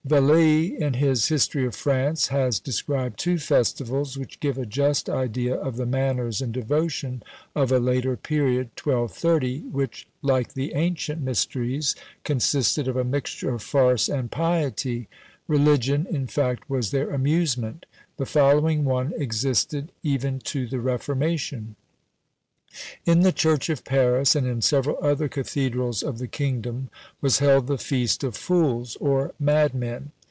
Velly, in his History of France, has described two festivals, which give a just idea of the manners and devotion of a later period, 1230, which like the ancient mysteries consisted of a mixture of farce and piety: religion in fact was their amusement! The following one existed even to the Reformation: In the church of Paris, and in several other cathedrals of the kingdom, was held the Feast of Fools or madmen.